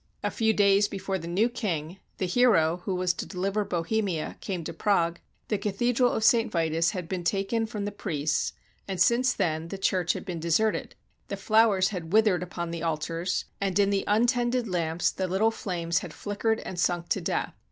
A few days before the new king, the hero who was to deliver Bohemia, came to Prague, the Cathedral of St. Vitus had been taken from the priests, and since then the church had been deserted; the flowers had withered upon the altars, and in the un tended lamps the little flames had flickered and sunk to death.